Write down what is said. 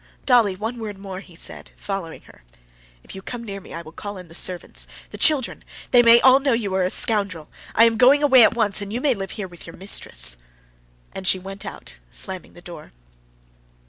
"Dolly, one word more," he said, following her. "If you come near me, I will call in the servants, the children! They may all know you are a scoundrel! I am going away at once, and you may live here with your mistress!" And she went out, slamming the door.